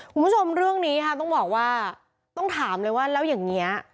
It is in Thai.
คุณผู้ชมเรื่องนี้ค่ะต้องบอกว่าต้องถามเลยว่าแล้วอย่างนี้